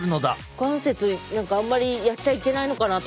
股関節何かあんまりやっちゃいけないのかなと思ってた。